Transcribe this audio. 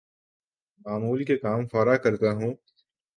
معمول کے کام فورا کرتا ہوں